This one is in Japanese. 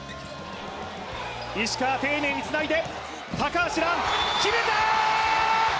石川、丁寧につないで、たかはしが、決めた！